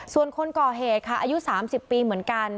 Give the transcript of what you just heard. ส่วนคนก่อเหตุค่ะอายุ๓๐ปีเหมือนกัน